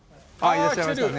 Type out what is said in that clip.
いらっしゃいましたね。